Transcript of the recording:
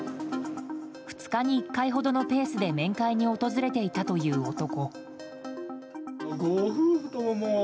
２日に１回ほどのペースで面会に訪れていたという男。